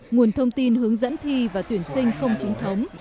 nguồn thông tin hướng dẫn thi và tuyển sinh không chính thống